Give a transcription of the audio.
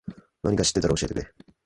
なにか知ってたら教えてくれ。